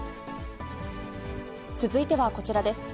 続いてはこちらです。